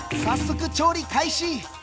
早速調理開始！